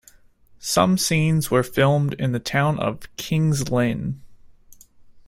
Some scenes were filmed in the town of King's Lynn.